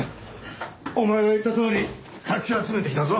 お前が言ったとおりかき集めてきたぞ。